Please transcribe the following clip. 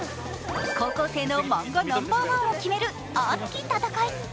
高校生の漫画ナンバーワンを決める熱き戦い。